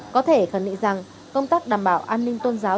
có thể khẳng định rằng công tác đảm bảo an ninh tôn giáo